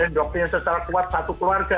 endoknya secara kuat satu keluarga